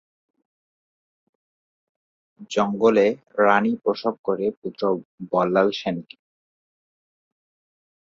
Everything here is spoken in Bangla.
জঙ্গলে রানী প্রসব করে পুত্র বল্লাল সেন কে।